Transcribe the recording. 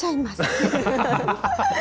アハハハ！